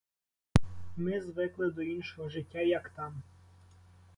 Ми звикли до іншого життя, як там.